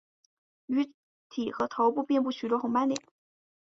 鱼体和头部遍布许多红斑点。